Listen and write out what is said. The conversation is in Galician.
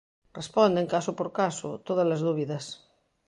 Responden, caso por caso, todas as dúbidas.